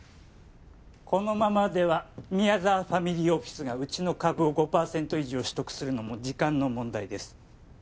このままでは宮沢ファミリーオフィスがうちの株を５％以上取得するのも時間の問題です